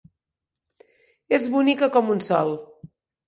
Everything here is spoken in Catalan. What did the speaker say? És bonica com un sol.